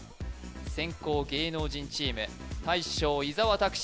先攻芸能人チーム大将伊沢拓司